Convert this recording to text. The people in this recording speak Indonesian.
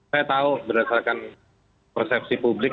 saya tahu berdasarkan persepsi publik